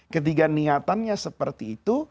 ketika niatannya seperti itu